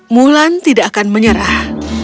mulan tidak akan menyerah